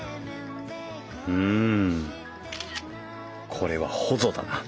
これはほぞだな。